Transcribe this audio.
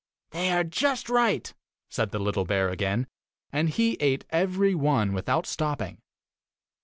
'They are just right!' said the little bear again, and he ate every one without stopping.